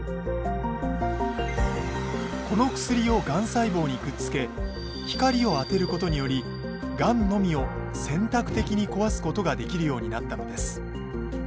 この薬をがん細胞にくっつけ光を当てることによりがんのみを選択的に壊すことができるようになったのです。